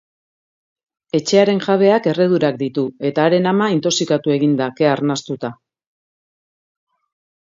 Etxearen jabeak erredurak ditu eta haren ama intoxikatu egin da, kea arnastuta.